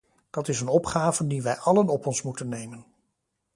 Dat is een opgave die wij allen op ons moeten nemen.